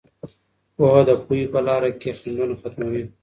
پوهه د پوهې په لاره کې خنډونه ختموي.